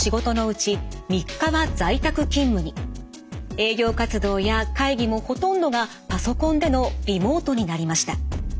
営業活動や会議もほとんどがパソコンでのリモートになりました。